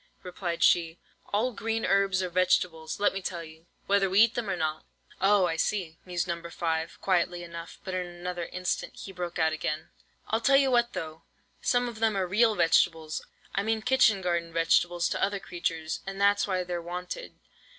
replied she. "All green herbs are vegetables, let me tell you, whether we eat them or not." "Oh, I see," mused No. 5, quietly enough, but in another instant he broke out again. "I'll tell you what though, some of them are real vegetables, I mean kitchen garden vegetables, to other creatures, and that's why they're wanted.